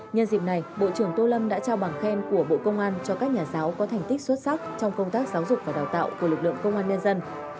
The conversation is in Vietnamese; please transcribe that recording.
nhân dịp này bộ trưởng tô lâm đã trao bằng khen của bộ công an cho các nhà giáo có thành tích xuất sắc trong công tác giáo dục và đào tạo của lực lượng công an nhân dân